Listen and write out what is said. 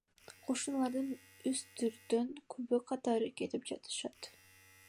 Кошуналары үстүртөн күбө катары кетип жатышат.